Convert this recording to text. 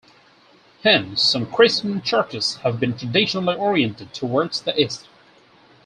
Hence, some Christian churches have been traditionally oriented towards the east.